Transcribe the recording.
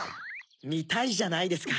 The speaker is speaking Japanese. みたいじゃないですか